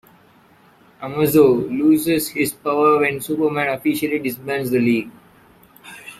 Amazo loses his powers when Superman officially disbands the league.